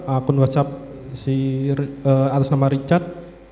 akun whatsapp si atas nama richard